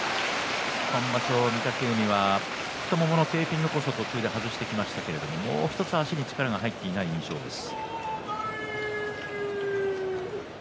今場所、御嶽海は太もものテーピングこそ途中で外してきましたが足に力が入っていないという印象です。